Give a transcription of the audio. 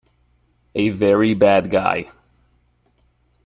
A very bad guy.